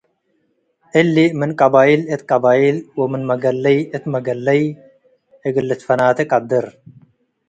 እሊ ምን ቀበይል እት ቀበይል ወምን መገለይ እት መገለይ እግል ልትፈናቴ ቀድር ።